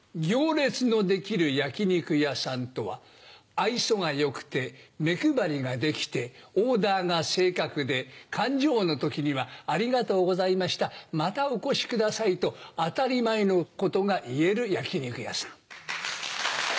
愛想が良くて目配りができてオーダーが正確で勘定の時には「ありがとうございましたまたお越しください」と当たり前のことが言える焼き肉屋さん。